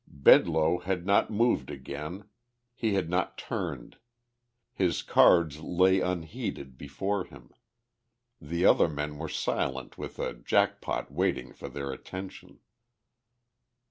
Bedloe had not moved again: he had not turned, his cards lay unheeded before him. The other men were silent with a jack pot waiting for their attention.